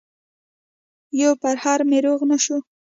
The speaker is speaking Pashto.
يو پرهر مې روغ نه شو